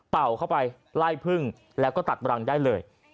เป่าเข้าไปไล่พึ่งแล้วก็ตัดรังได้เลย